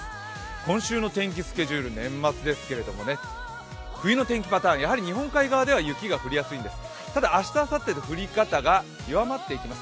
今週の天気スケジュール、年末ですけども、冬の天気パターン、やはり日本海側では雪が降りやすいんです。